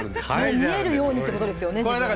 見えるようにということですよね。